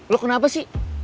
lo kenapa sih